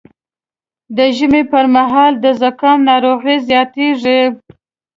د ژمي پر مهال د زکام ناروغي زیاتېږي